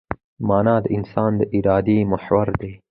مانا د انسان د ارادې محور دی.